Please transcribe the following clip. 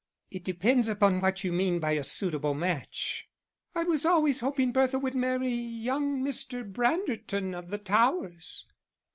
"It depends upon what you mean by a suitable match." "I was always hoping Bertha would marry young Mr. Branderton of the Towers."